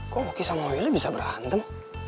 kok oki sama willy bisa berantem